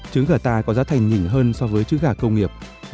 trứng gà ta có giá thành nhỉnh hơn so với trứng gà công nghiệp